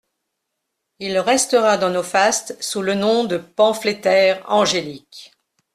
Il restera dans nos fastes sous le nom de pamphlétaire angélique …